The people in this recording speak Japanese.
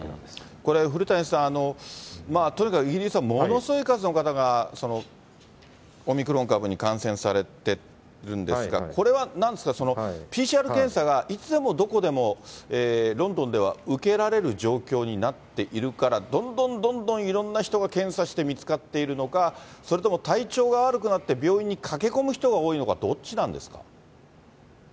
これ、古谷さん、とにかくイギリスはものすごい数の方が、オミクロン株に感染されてるんですが、これはなんですか、ＰＣＲ検査がいつでもどこでも、ロンドンでは受けられる状況になっているから、どんどんどんどんいろんな人が検査して見つかっているのか、それとも体調が悪くなって病院に駆け込む人が多いのか、どっちなんですか。